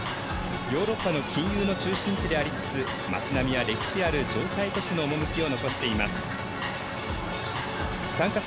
ヨーロッパの金融の中心地でありつつ町並みは歴史ある城塞都市の趣を残しています。